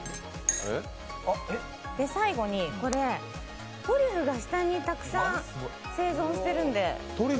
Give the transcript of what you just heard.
最後にこれ、トリュフが下に生存してるんで。